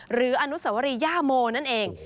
อนุสวรีย่าโมนั่นเอง